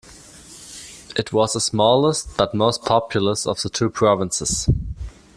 It was the smallest, but most populous of the two provinces.